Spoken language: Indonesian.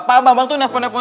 pak bambang tuh nelfon nepon